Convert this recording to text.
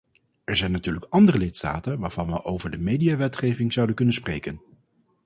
Er zijn natuurlijk andere lidstaten waarvan we over de mediawetgeving zouden kunnen spreken.